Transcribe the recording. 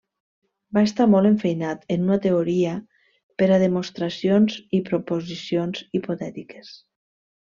Va estar molt enfeinat en una teoria per a demostracions i proposicions hipotètiques.